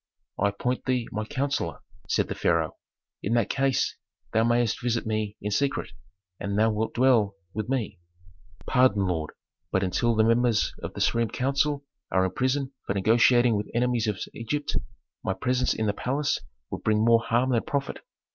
"I appoint thee my counsellor," said the pharaoh. "In that case thou mayst visit me in secret, and thou wilt dwell with me." "Pardon, lord, but until the members of the supreme council are in prison for negotiating with enemies of Egypt, my presence in the palace would bring more harm than profit.